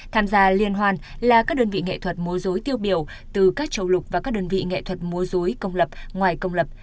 tham gia liên hoan là các đơn vị nghệ thuật múa dối tiêu biểu từ các châu lục và các đơn vị nghệ thuật múa dối công lập ngoài công lập